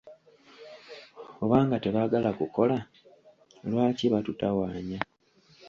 Oba nga tebaagala kukola, lwaki batutawaanya?